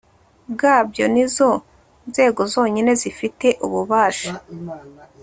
bwabyo ni zo nzego zonyine zifite ububasha